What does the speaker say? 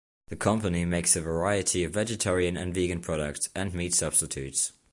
The company makes a variety of vegetarian and vegan products and meat substitutes.